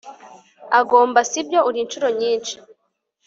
Agomba si byo uri inshuro nyinshi